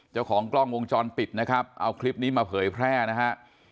เจ้าของกล้องวงจรปิดนะครับเอาคลิปนี้มาเผยแพร่นะฮะ